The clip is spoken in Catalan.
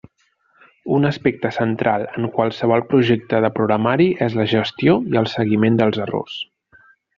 Un aspecte central en qualsevol projecte de programari és la gestió i el seguiment dels errors.